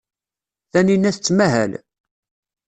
Taninna tettmahal.